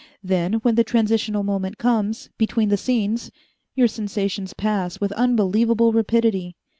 Then, when the transitional moment comes, between the scenes, your sensations pass with unbelievable rapidity.